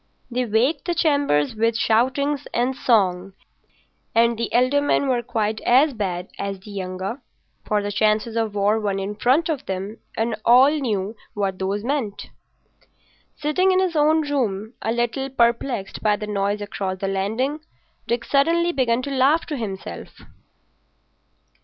They waked the chambers with shoutings and song; and the elder men were quite as bad as the younger. For the chances of war were in front of them, and all knew what those meant. Sitting in his own room a little perplexed by the noise across the landing, Dick suddenly began to laugh to himself.